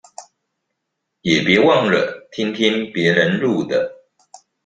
也別忘了聽聽別人錄的